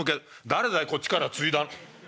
誰だいこっちからついだ。